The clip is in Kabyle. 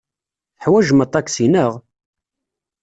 Teḥwajem aṭaksi, naɣ?